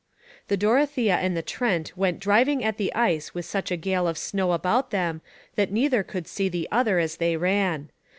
The Dorothea and the Trent went driving at the ice with such a gale of snow about them that neither could see the other as they ran.